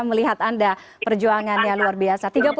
melihat anda perjuangannya luar biasa